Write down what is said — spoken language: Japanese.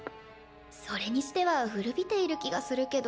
それにしては古びている気がするけど。